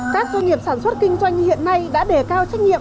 các doanh nghiệp sản xuất kinh doanh hiện nay đã đề cao trách nhiệm